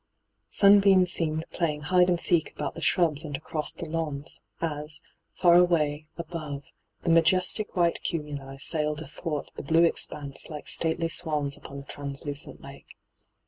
Sun beams seemed playing hide and seek about the shrul» and across the lawns, as, far away ENTRAPPED 269 above, the majestio white cumuli sailed athwart the blue expanse like stately swaaa upoa a traosluoent lake.